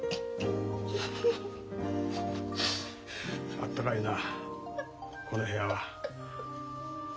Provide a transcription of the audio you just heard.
あったかいなこの部屋は。